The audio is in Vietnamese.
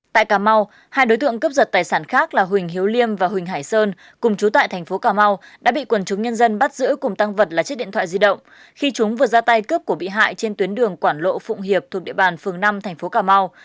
tại cà mau hai đối tượng cướp giật tài sản khác là huỳnh hiếu liêm và huỳnh hải sơn cùng chú tại thành phố cà mau đã bị quần chúng nhân dân bắt giữ cùng tăng vật là chiếc điện thoại di động khi chúng vừa ra tay cướp của bị hại trên tuyến đường quảng lộ phụng hiệp thuộc địa bàn phường năm thành phố cà mau